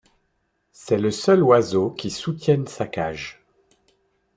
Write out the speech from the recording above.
C’est le seul oiseau qui soutienne sa cage.